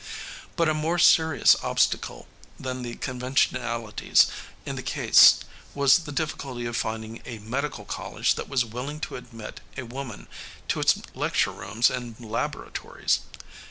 But a more serious obstacle than the conventionalities in the case was the difficulty of finding a medical college that was willing to admit a woman to its lecture rooms and laboratories.